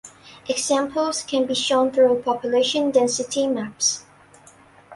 Examples can be shown through population density maps.